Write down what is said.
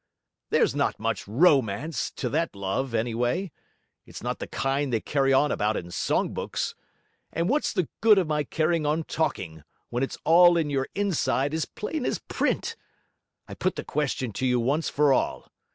There's not much ROmance to that love, anyway; it's not the kind they carry on about in songbooks. But what's the good of my carrying on talking, when it's all in your inside as plain as print? I put the question to you once for all.